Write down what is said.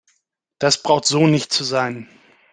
Das braucht so nicht zu sein.